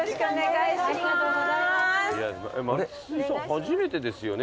初めてですよね